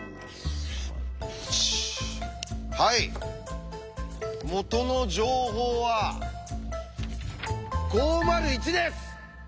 はい元の情報は「５０１」です！